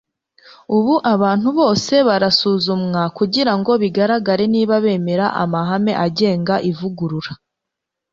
ubu abantu bose barasuzumwa kugira ngo bigaragare niba bemera amahame agenga ivugurura